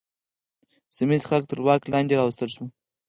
سیمه ییز خلک تر واک لاندې راوستل شول.